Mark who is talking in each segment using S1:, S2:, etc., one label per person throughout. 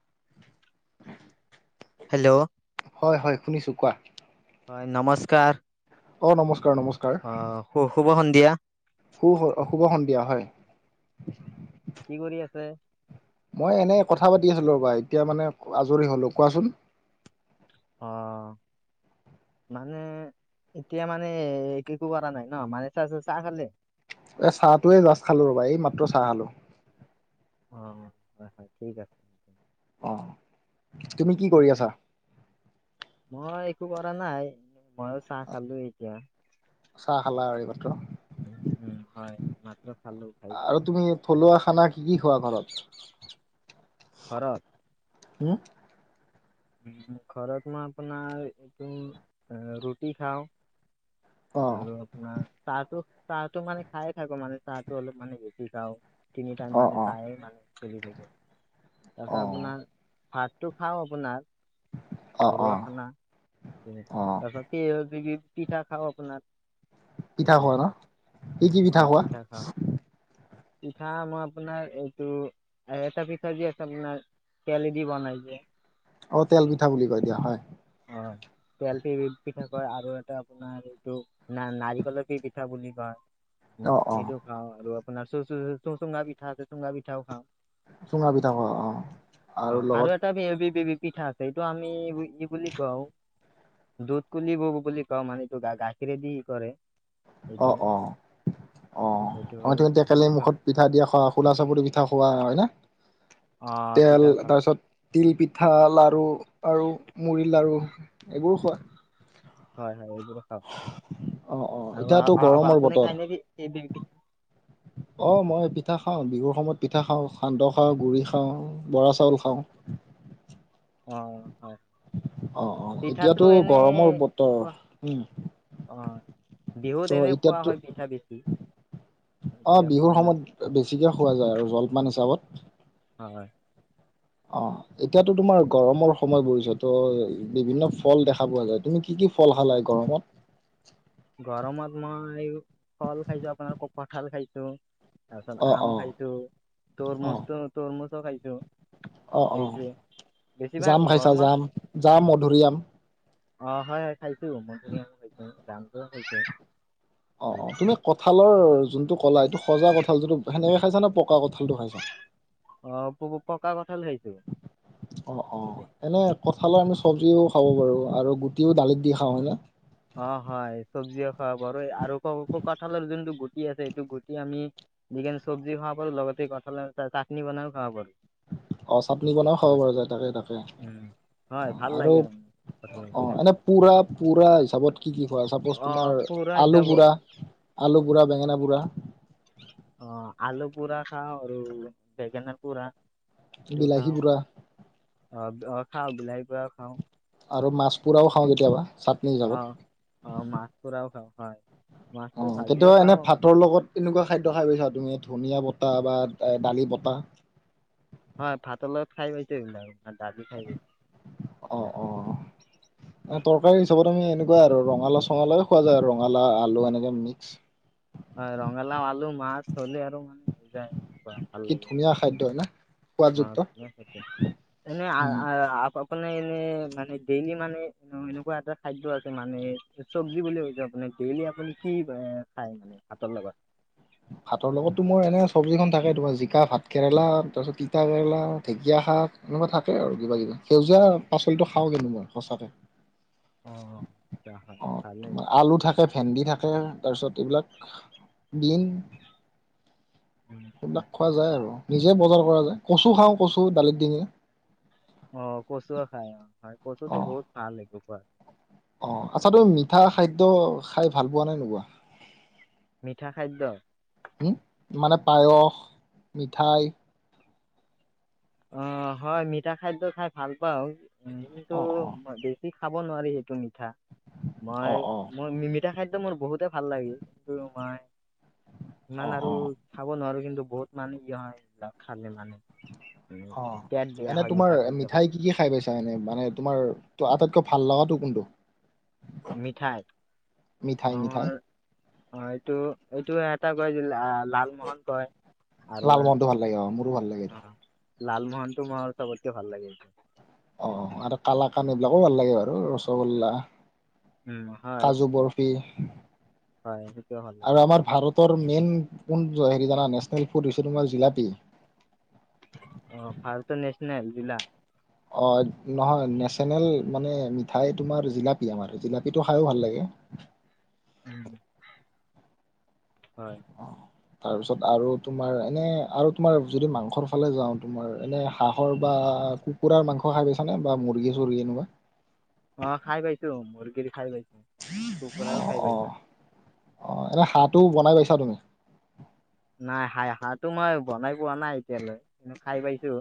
S1: [inaudible]
S2: Hello.
S1: হয় হয়, শুনিছোঁ কোৱা।
S2: হয়, নমস্কাৰ।
S1: অ নমস্কাৰ-নমস্কাৰ।
S2: আহ শু শুভ সন্ধিয়া।
S1: শু অ শুভ সন্ধিয়া, হয়।
S2: কি কৰি আছে?
S1: মই এনেই কথা পাতি আছিলোঁ ৰ'বা এতিয়া মানে আজৰি হ'লোঁ কোৱাচোন।
S2: অঁ। মানে এতিয়া মানে এক - একো কৰা নাই ন, মানে চ - চাহ খালে?
S1: এই চাহটোৱে জাষ্ট খালো ৰ'ব এই মাত্ৰ চাহ খালোঁ।
S2: অঁ, হয় হয় ঠিক আছে।
S1: অঁ।
S2: মই একো কৰা নাই। মইও চাহ খালো এতিয়া,
S1: চাহ খালা আৰু এইমাত্ৰ
S2: উম হয়। মাত্ৰ খালো খাই কিনে
S1: আৰু তুমি থলুৱা খানা কি কি খোৱা ঘৰত?
S2: ঘৰত
S1: হম।
S2: উম, খৰত আপোনাৰ তম- ৰুটি খাও।
S1: অ
S2: আৰু আপোনাৰ চাহটো চাহটো মানে খায়ে থাকো মানে চাহটো অলপ মানে বেছি খাও, তিনি টাইম
S1: অ
S2: মানে
S1: অ
S2: চাহে মানে। চলি থাকে,
S1: অ
S2: তাৰপিছত আপোনাৰ ভাতটো খাও আপোনাৰ।
S1: অ অ
S2: ঘৰুৱাখানা
S1: অ
S2: [unintelligible] বিধ পিঠা খাও আপোনাৰ।
S1: পিঠা
S2: এইটো
S1: খোৱা ন কি-কি পিঠা
S2: অঁ
S1: খোৱা?
S2: খাওঁ পিঠা মই আপোনাৰ এইটো এটা পিঠা যি আছে আপোনাৰ তেলে দি বনাই যে।
S1: অ' তেল পিঠা বুলি কয় দিয়া হয়।
S2: অঁ। তেল পি -পিঠা কয় আৰু এটা আপোনাৰ এইটো ন- নাৰিকলৰ পি -পিঠা বুলি কয়।
S1: অ অ
S2: সেইটোও খাওঁ আৰু আপোনাৰ চ-চ চুঙা পিঠা আছে চুঙা পিঠাও খাওঁ।
S1: চুঙা পিঠা খোৱা অ
S2: অ আৰু এটা [unintelligible] পিঠা আছে এইটো আমি কি বুলি কি কওঁ দুধ কুলিব বুলি কওঁ মানে সেইটো গাখীৰে দি কৰে। এইটো
S1: অঁ, অঁ।
S2: সেইটো
S1: অ ত -তুমি টেকেলি
S2: সেইটো খাওঁ
S1: মুখত পিঠা দিয়া খোৱা খোলা চাপৰি পিঠা খোৱা হয় নে?
S2: অঁ।
S1: তেল তাৰপিছত তিল পিঠা লাৰু আৰু মুড়িৰ লাৰু। এইবোৰো খোৱা।
S2: হয়-হয়। খা
S1: অ অ
S2: আৰু
S1: এতিয়াতো
S2: আ-
S1: গৰমৰ
S2: আপুনি
S1: বতৰ
S2: খাই নেবি সেই?
S1: অ মই পিঠা খাওঁ বিহুৰ সময়ত পিঠ পিঠা খাওঁ সান্দহ খাওঁ গুড়ি খাওঁ বৰা চাউল খাওঁ।
S2: অঁ।
S1: অঁ, অঁ এতিয়াতো গৰমৰ বতৰ উম।
S2: অঁ, বিহুত এনে খোৱা হয় পিঠা বেছি।
S1: অঁ,
S2: এতিয়া
S1: বিহুৰ
S2: খোৱাই নহয়
S1: সময়ত বেছিকে খোৱা যায় আৰু জলপান হিচাপত।
S2: হয়।
S1: অঁ, এতিয়াতো তোমাৰ গৰমৰ সময় পৰিছে ত' বিভিন্ন ফল দেখা পোৱা যায় তুমি কি কি কি কি ফল খালা এই গৰমত।
S2: গৰমত মই ফল খাইছো আপোনাৰ ক-কঠাল খাইছো।
S1: অ
S2: তাৰপিছত আম
S1: অ
S2: খাইছো তৰমুচটো তৰমুচো খাইছো।
S1: অঁ, অঁ
S2: সেইটোৱে বেছিভাগ
S1: জাম খাইছা
S2: গৰমত
S1: জাম, জাম মধুৰিআম।
S2: অ হয় হয় খাইছো মধুৰি আম খাইছো জামটো খাইছো
S1: অ অ
S2: এইয়া।
S1: তুমি কঁঠালৰ যোনটো কলা সেইটো সজা কঁঠাল যিটো সেনেকে খাইছা নে পক
S2: অ প-পকা কঠাল খাইছো।
S1: অ অ
S2: সেইটো
S1: এনে কঠালৰ আমি চব্জিও খাব পাৰো আৰু গুটিও দালিত দি খাওঁ হয় ন
S2: অ হয় চব্জিও খাব পাৰো আৰু ক-ক-কঁঠালৰ যোনটো গুট কি আছে এইটো গুটি আমি যিকোনো চব্জি খাব পাৰোঁ লগতে কঁঠাল চাটনি বনাইও খাব পাৰো।
S1: অ চাটনি
S2: এইটো
S1: বনাইও খাব
S2: গুট।
S1: পাৰো যায় তাকে তাকে অ
S2: উম হয় ভাল
S1: আৰু
S2: লাগে মানে কঁঠালৰ
S1: অ
S2: গুটি খাই
S1: এনে পুৰা পুৰা হিচাপত কি কি খোৱা চাপ'জ
S2: অ
S1: তোমাৰ
S2: পুৰা
S1: আলু
S2: হিচাপত
S1: পোৰা আলু পোৰা বেঙেনা পোৰা
S2: অ আলু পুৰা খাও আৰু বেগেনাৰ পুৰা সেইটো
S1: বিলাহী
S2: খাওঁ
S1: পুৰা
S2: অ অ খাওঁ বিলাহীৰ পৰা খাওঁ।
S1: আৰু মাছ পোৰাও খাওঁ কেতিয়াবা। চাটনি
S2: অ
S1: হিচাপত
S2: অ মাছ পৰাও খাওঁ হয় মাছটো
S1: অ
S2: ভাজিও
S1: কেতিয়াবা
S2: খাওঁ
S1: এনে ভাতৰ লগত এনেকুৱা খাদ্য খাই পাইছা তুমি ধুনীয়া বতা বা দালি বতা
S2: হয় ভাতৰ লগত খাই পাইছো এইবিলাক। দালি খাই পাইছো
S1: অ
S2: এইবিলাক
S1: অ তৰকাৰী হিচাপত আমি এনেকুৱা আৰু ৰঙালা চঙলাও খোৱা যায় আৰু ৰঙালা আলু এনেকে মিক্স।
S2: হয়, ৰঙালাও আলু মাছ হ'লে আৰু হৈ যায় এনেকুৱা ভাল
S1: কি
S2: লাগে।
S1: ধুনীয়া খাদ্য হয় না। সোৱাদযুক্ত
S2: এনে আপোনি এনে, মানে ডেইলি মানে এনেকুৱা এটা খাদ্য আছে। মানে চব্জি বুলি কৈছো, আপোনি ডেইলি আপুনি কি খাই ভাতৰ লগত?
S1: ভাতৰ লগতো মোৰ এনে চব্জিখনন থাকে, তোমাৰ জিকা ভাত কেৰেলা তাৰপিছত তিতা কেৰেলা ঢেকীয়া। শাক এনেকুৱা থাকে আৰু কিবা - কিবা সেউজীয়া পাচলিটো খাওঁ কেনু মই সঁচাকে।
S2: অ' হ'ব দিয়া।
S1: অ' আলু থাকে ভেন্দি থাকে তাৰপিছত এইবিলাক বিন
S2: উম,
S1: সেইবিলাক
S2: হয়।
S1: খোৱা যায় আৰু নিজে বজাৰ কচু খাওঁ কচু দালিত দিউ
S2: অ' কচু খাই অ' কচুটো বহুত ভাল হয় কচুট
S1: অ' আচ্ছা তুমি মিঠা খাদ্য খাই ভাল পোৱা নে নোপোৱা?
S2: মিঠা খাদ্য।
S1: উম মানে পায়স, মিঠাই,
S2: অ' হয় মিঠা খাদ্যয় খাই ভাল পাওঁ। কিন্তু
S1: অ' অ'।
S2: বেছি খাব নোৱাৰি সেইটো মিঠা,
S1: অ অ
S2: মই
S1: অ
S2: মই মিঠা খাদ্যৰ মোৰ বহুতে ভাল লাগে, কিন্তু মই
S1: অ
S2: ইমান আৰু
S1: অ
S2: খাব নোৱাৰো কিন্তু বহুত মানে কি হয় খালে মানে। উম, পেট
S1: অঁ।
S2: বেয়া
S1: এনে
S2: হয়
S1: তোমাৰ
S2: মিঠা খাদ্য খালে
S1: মিঠাই কি কি খাই পাইছা। এনে মানে তোমাৰ আটাইতকৈ ভাল লগাটো কোনটো,
S2: মিঠাই
S1: মিঠাই মিঠাই
S2: অ'। অ' এইটো এটা কইছিল। [inaudible] লাল মহন্তই, আৰু
S1: লালমোহনটো ভাল লাগে অ মোৰো ভাল লাগে এইটো।
S2: অ' লাল মহন মোৰ চবতকৈ ভাল লাগে এইটো।
S1: অ', আৰু কালাকান এইবিলাকো ভাল লাগে বাৰু ৰসগোল্লা।
S2: উম হয়
S1: কাজু বৰফি।
S2: হয় সেইটোৱে ভাল লাগে
S1: আৰু আমাৰ ভাৰতৰ মেইন কোন হেৰি জানা নেচনেল ফুড হৈছে তোমাৰ জিলাপি।
S2: অঁ, ফালটো নেচনেল জিলা।
S1: অঁ, নহয় নেশ্যনেল মানে মিঠাই তোমাৰ জিলাপী আমাৰ জিলাপীটো খায়ো ভাল লাগে।
S2: হয়।
S1: তাৰ পিছত আৰু তোমাৰ এনে আৰু তোমাৰ যদি মাংসৰ ফালে যাওঁ তোমাৰ এনে হাঁহৰ বা, বা কুকুৰাৰ মাংস খাই পাইছানে বা মুৰ্গী- চুৰ্গী এনেকুৱা।
S2: অঁ, খাই পাইছো মুৰ্গীৰ খাই পাইছো কুকুৰাৰো
S1: অ',
S2: খাই
S1: অ',
S2: পাইছো।
S1: অ এনেই হাঁহটো বনাই পাইছা তুমি?
S2: নাই হাঁহটো মই বনাই পোৱা নাই এতিয়ালৈ কিন্তু, খাই পাইছো।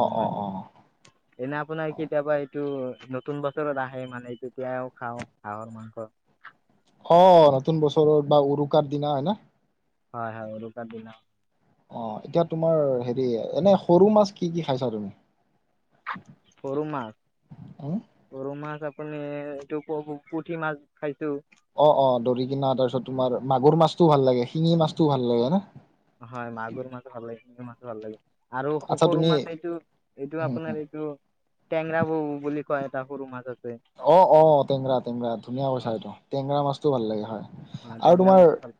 S1: অ',
S2: অলমান,
S1: অ', অ',
S2: এনে আপোনাৰ কেতিয়াবা এইটো নতুন বছৰত আহে মানে যেতিয়া খাওঁ হাহৰ মাংস।
S1: অ', নতুন বছৰত বা উৰুকাৰ দিনা হয় নে?
S2: হয় হয় উৰুকা দিনা।
S1: অ' এতিয়া তোমাৰ হেৰি, এনে সৰু মাছ কি কি খাইছা তুমি?
S2: সৰু মাছ,
S1: উম,
S2: সৰু মাছ আপ এনে, এইটো পুঠি মাছ খাইছো।
S1: অঁ, অঁ দৰি কিনা তাৰপিছত তোমাৰ মাগুৰ মাছটোও ভাল লাগে। শিঙি মাছটোও ভাল লাগে না?
S2: হয় মাগুৰ মাছ ভাল লাগে। শিঙি মাছো ভাল লাগে। আৰু
S1: আচ্ছা
S2: সৰু
S1: তুমি
S2: মাছ এইটো, এইটো
S1: উম, উম।
S2: আপোনাৰ এইটো টেঙৰা বৌ বুলি কোৱা এটা সুৰুমাছত।
S1: অঁ, অঁ টেংৰা টেংৰা ধুনীয়া
S2: অ
S1: পইছা এইটো টেঙেৰা মাছতটো ভাল লাগে হয়। আৰু
S2: টেঙৰা
S1: তোমাৰ
S2: মাছ ভাল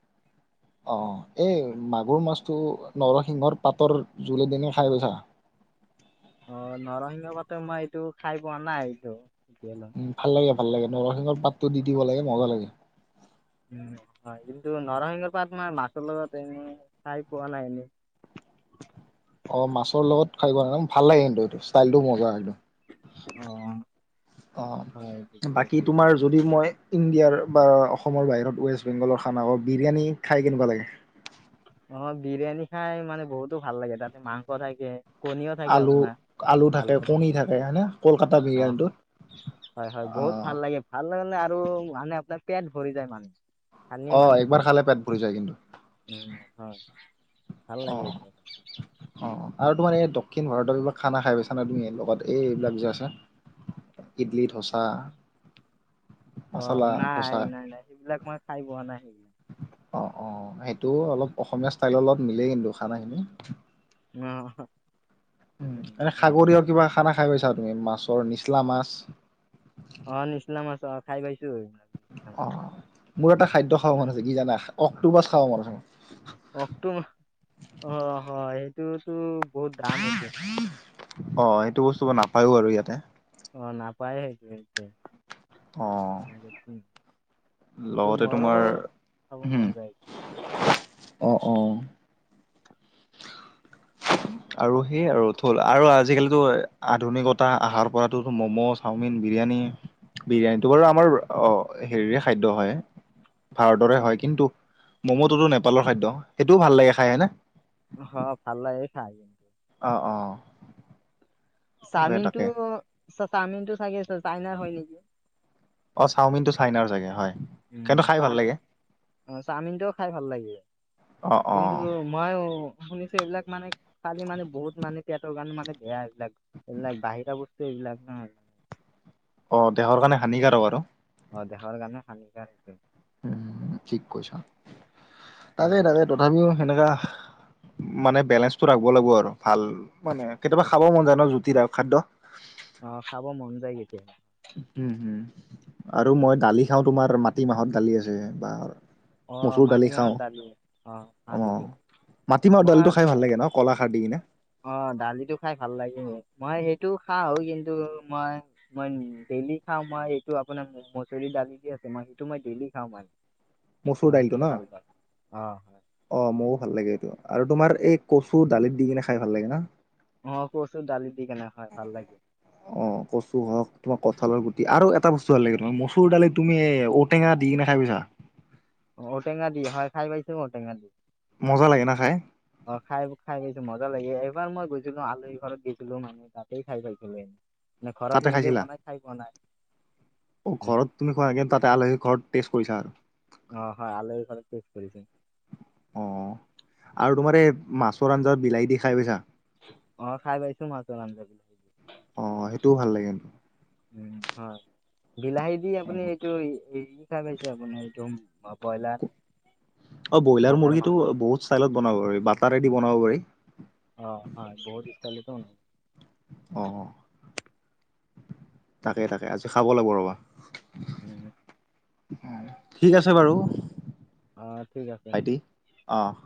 S1: অঁ এই। মাগুৰ মাছটো নৰসিংহৰ পাতৰ জোলে দিনে খাই পাইছা?
S2: অ' নৰসিংহ পাতে মই এইটো খাই পোৱা নাই এইটো। এতিয়ালৈ
S1: উম, ভাল লাগে, ভাল লাগে নৰসিংহৰ পাতটো দি দিব লাগে মজা লাগে।
S2: উম, হয় কিন্তু নৰসিংহৰ পাত মাৰ মাছৰ লগত এনেই খাই পোৱা নাই এনেই। [unintelligible]
S1: অ' মাছৰ লগত খাই ভাল লাগে কিন্তুটো ষ্টাইলটো মজা একদম।
S2: অ', হয় বুজি
S1: অ' বাকী
S2: পাইছোঁ।
S1: তোমাৰ যদি মই। ইণ্ডিয়াৰ বা অসমৰ বাহিৰত ৱেষ্ট বেংগলৰ খানা হক বিৰিয়ানী খাই কেনেকুৱা লাগে?
S2: অ' বিৰিয়ানী খাই মানে বহুতো ভাল লাগে, তাতে মাংস থাকে। কণীও থাকে
S1: আলু
S2: আপোনাৰ।
S1: আলু
S2: ভাল
S1: থাকে, কণী থাকে হয়নে কলকাতা
S2: অ',
S1: বিৰিয়ানীটোত।
S2: হয়, হয়
S1: অ
S2: বহুত ভাল লাগে, ভাল লাগে আৰু মানে আপোনাৰ পেট ভৰি যায় মানুহটো
S1: আহ একবাৰ খালে পেট ভৰিৰি যায় কিন্তু।
S2: উম, হয়, ভাল
S1: অ
S2: লাগে।
S1: অ আৰু তোমাৰ এই দক্ষিণ ভাৰতৰ এইবিলাক খানা খাই পাইছানে? তুমি এই লগত এইবিলাক যে আছে। ইডলি, ধোচা
S2: অ'
S1: মচলা
S2: নাই
S1: ধচা
S2: নাই নাই সেইবিলাক মই খাই পোৱা নাই সেইবিলাক।
S1: অ' অ' সেইটো অলপ অসমীয়া ষ্টাইলৰ লগত মিলেই কিন্তু খানাখিনি।
S2: উম, হ'ম।
S1: উম, এনে সাগৰীয়া কিবা খানা খাই পাইছা তুমি মাছৰ নিচলা মাছ?
S2: অ' নিচলামছ অ' খাই পাইছোঁ।
S1: অ' মোৰ এটা খাদ্য খাব মন আছে কি জানা অক্টোপাছত খাব মন আছে‌ মোৰ।
S2: অ' অ' সেইটোতো বহুত দাম সেইটো।
S1: অহ' সেইটো বস্তু ব নাপায়ো আৰু ইয়াতে।
S2: অ' নাপায় সেইটো
S1: লগতে
S2: মোৰো
S1: তোমাৰ,
S2: খাব মন
S1: উম
S2: যায়
S1: আহ অ'।
S2: [inaudible]
S1: আৰু সেইয় আৰু থ'ল আৰু আজিকালিতো আধুনিকতা অহাৰ পৰাতো ম'ম' চাওমিন বিৰিয়ানী বিৰিয়ানীটো বাৰু আমাৰ অ 'হেৰিৰে খাদ্য হয়। ভাৰতৰে
S2: অ
S1: হয় কিন্তু ম'ম'টোতো নেপালৰ খাদ্য সেইটোও ভাল লাগে খাই হয়নে?
S2: অঁ, ভাল লাগে খাই।
S1: অঁ অঁ।
S2: চামিন তটো চ - চামিন তটো চাগে আছ
S1: অ' চাওমিনটো চাইনাৰ চাগে হয়।
S2: উম
S1: কিন্তু খাই ভাল
S2: চাওমিন
S1: লাগে
S2: অ' চাওমিনটোও খাই ভাল লাগে।
S1: অ অ
S2: কিন্তু মই শুনিছো এইবিলাক মানে খালে মানে বহুত মানে এয়াত গান মানে বেয়া এইবিলাক এইবিলাক বাহিৰা বস্তু এইবিলাক নয়
S1: অ' দেহৰ কাৰণে হানিকাৰক আৰু।
S2: অ' দেহৰ কাৰণে হানিকাৰ হৈছে।
S1: উম ঠিক কৈছা তাকে
S2: উম।
S1: - তাকে তথাপিও সেনেকা মানে বেলেঞ্চটো ৰাখিব লাগিব আৰু ভাল মানে কেতিয়াবা খাব মন যায় ন জুতি খাদ্য।
S2: অ' খাব মন যায় কেতিয়াবা।
S1: হম হম আৰু মই দালি খাওঁ তোমাৰ মাটি মাহৰ দালি আছে বা
S2: অ'
S1: মচুৰ দালি
S2: মাটি মাহৰ
S1: খাওঁ
S2: দালি অ' ভালেইটো মই
S1: কলাশাৰ দি কেনে।
S2: অ' দালিটো খাই ভাল লাগে, মই সেইটো খাও কিন্তু মই- মই ডেইলি খাওঁ মই এইটো আপোনাৰ মচৰি দালি দি আছে সেইটো মই ডেইলি খাওঁ মাৰ
S1: মচুৰ দাইলটো নহ,
S2: হয়।
S1: অ মোৰো ভাল লাগে এইটো, আৰু তোমাৰ এই কচু, দালিত দি কিনে খাই ভাল লাগে না
S2: অহ, কচু, দালি দি কেনে হয় ভাল লাগে,
S1: অ কচু হওক, তোমাৰ কঁঠালৰ গুটি আৰু এটা বস্তু ভাল লাগে, তোমাৰ মচু মচুৰ দালি তুমি এহ, ঔ টেঙা দি কিনে খাই পাইছা?
S2: অহ ঔ-টেঙা দি, হয় খাই পাইছোঁ ঔ-টেঙা দি
S1: মজা লাগে না খাই
S2: অহ, খাই খাই পাইছোঁ মই লাগে এবাৰ মই গৈছিলো আলহীৰ ঘৰত গৈছিলো মান তাতেই খায় পাইছিলো এনে। মানে ঘৰত
S1: তাতে
S2: নিজে
S1: খাইছিলা
S2: বনাই খাই পোৱা নাই।
S1: অ
S2: উম।
S1: ঘৰত তুমি খোৱা তাতে আলহী ঘৰত টেষ্ট কৰিছা।
S2: অ হয় আল ঘৰত টেষ্ট কৰিছো।
S1: অ আৰু তোমাৰ এই মাছৰ আঞ্জাত বিলাহী দি খাই পাইছা?
S2: অ খাই পাইছো মাছ আঞ্জা বিলাহিদি।
S1: অ সেইটোও ভাল লাগে কিন্তু
S2: উম হয়। বিলাহী দি আপুনি এইটো খাই পাইছে আপোনাৰ এইটো ব্ৰইলাৰ?
S1: অ ব্ৰইলাৰ মুৰ্গীটো বহুত চাইলত বনাব পাৰি বাটাৰেদি বনাব পাৰি।
S2: অ হয় বহুত ষ্টাইলতো
S1: আহ তাকে তাকে আজি খাব লাগিব ৰবা।
S2: উম
S1: ঠিক আছে বাৰু।
S2: অ ঠিক আছে
S1: ভাইটি অঁ।